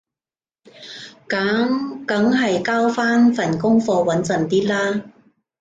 噉梗係交返份功課穩陣啲啦